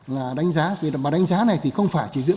mà đánh giá này thì không phải chỉ giữ phiếu tín nhiệm